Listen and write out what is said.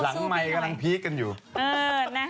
กลับมาค่ะเอาใส่ไข่กันต่อนะคะ